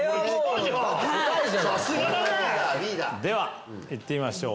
では行ってみましょう。